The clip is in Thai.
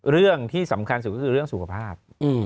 เรื่องที่สำคัญสุดก็คือเรื่องสุขภาพ